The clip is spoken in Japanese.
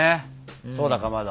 そうだかまど。